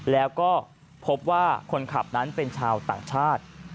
แล้วก็พบว่าคนขับนั้นเป็นชาวต่างชาติ